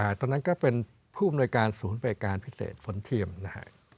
ตอนนั้นก็เป็นผู้อำนวยการศูนย์บริการพิเศษฝนเทียมนะฮะ